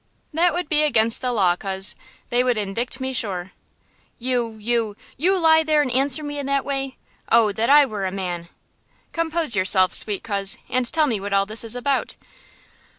"That would be against the law, coz; they would indict me sure!" "You–you–you lie there and answer me in that way! Oh that I were a man!" "Compose yourself, sweet coz, and tell me what all this is about!